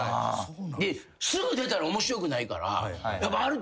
すぐ出たら面白くないから。